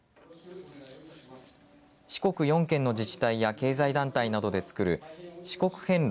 四国４県の自治体や経済団体などでつくる四国遍路